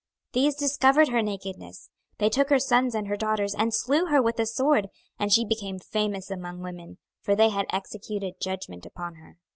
26:023:010 These discovered her nakedness: they took her sons and her daughters, and slew her with the sword: and she became famous among women; for they had executed judgment upon her.